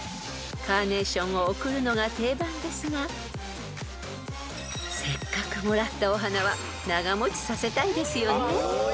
［カーネーションを贈るのが定番ですがせっかくもらったお花は長持ちさせたいですよね］